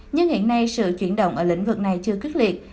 nhưng hiện nay sự chuyển động ở lĩnh vực này chưa quyết liệt